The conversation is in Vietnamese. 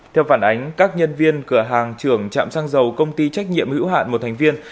theo phản ánh các nhân viên cửa hàng trưởng trạm xăng dầu công ty trách nhiệm hữu hạn một thành viên